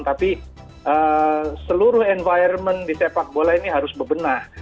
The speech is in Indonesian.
tapi seluruh environment di sepak bola ini harus bebenah